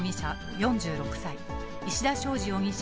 ４６歳、石田祥司容疑者